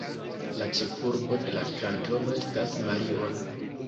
La ĉefurbo de la kantono estas Marion.